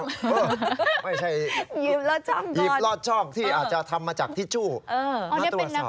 ไม่ใช่หยิบลอดช่องที่อาจจะทำมาจากทิชชู่มาตรวจสอบ